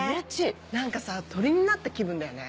何かさ鳥になった気分だよね。